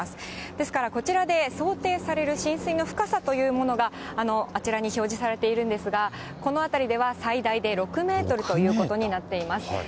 ですからこちらで想定される浸水の深さというものがあちらに表示されているんですが、この辺りでは最大で６メートルということになっています。